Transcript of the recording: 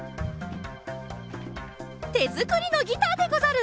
てづくりのギターでござる！